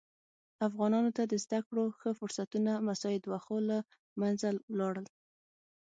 افغانانو ته د زده کړو ښه فرصتونه مساعد وه خو له منځه ولاړل.